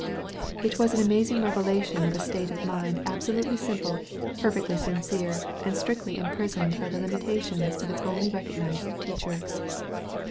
It was an amazing revelation of a state of mind, absolutely simple, perfectly sincere, and strictly imprisoned by the limitations of its only recognized teacher.